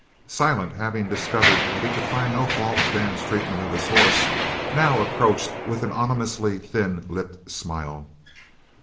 Silent, having discovered that he could find no fault with Dan's treatment of his horse, now approached with an ominously thin lipped smile.